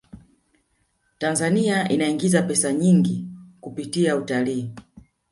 tanzania inaingiza pesa nyingi kupitia utalii